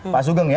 pak sugeng ya